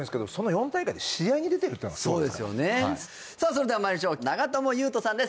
それではまいりましょう長友佑都さんです